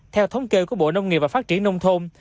theo thống kê của bộ nông nghiệp và phát triển nông thôn